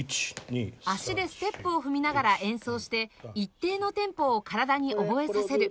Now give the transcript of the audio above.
足でステップを踏みながら演奏して一定のテンポを体に覚えさせる